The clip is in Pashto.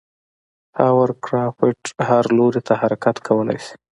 هاورکرافت هر لوري ته حرکت کولی شي.